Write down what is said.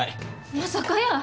まさかやー。